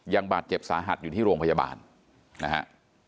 ยังบาดเจ็บสาหัสอยู่ที่โรงพยาบาลนะฮะ